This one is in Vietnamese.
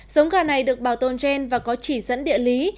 giống gà này được bảo tồn gen và có chỉ dẫn địa lý